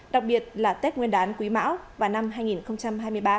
đặc biệt là tết nguyên đán quý mão và năm hai nghìn hai mươi ba